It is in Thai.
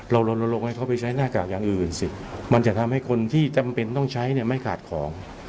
ลนลงให้เขาไปใช้หน้ากากอย่างอื่นสิมันจะทำให้คนที่จำเป็นต้องใช้เนี่ยไม่ขาดของ